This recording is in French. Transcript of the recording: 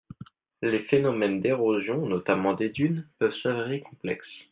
Les phénomènes d’érosion, notamment des dunes, peuvent s’avérer complexes.